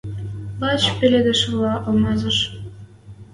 Лач пеледӹшвлӓ алмазыш